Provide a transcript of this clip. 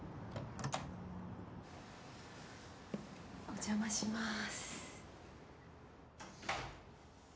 お邪魔します。